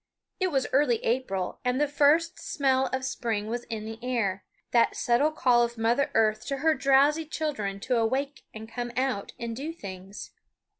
It was early April, and the first smell of spring was in the air that subtle call of Mother Earth to her drowsy children to awake and come out and do things.